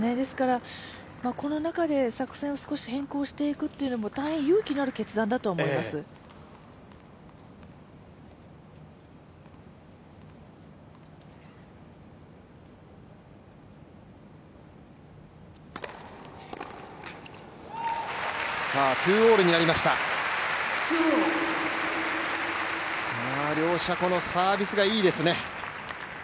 この中で作戦を少し変更していくというのも大変勇気のある決断だと思います。両者サービスがいいですね。